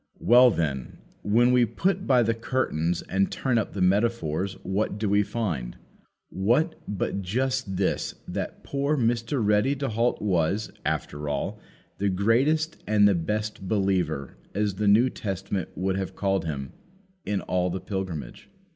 Well, then, when we put by the curtains and turn up the metaphors, what do we find? What, but just this, that poor Mr. Ready to halt was, after all, the greatest and the best believer, as the New Testament would have called him, in all the pilgrimage.